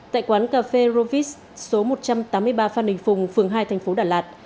tại quán cà phê rovis số một trăm tám mươi ba phan đình phùng phường hai thành phố đà lạt